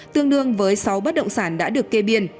tương đương với sáu bất động sản đã được kê biên